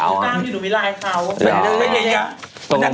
คุณมาพี่ดูวิลายเขา